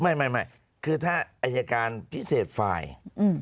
ไม่ไม่ไม่คือถ้าอายการพิเศษฝ่ายอืม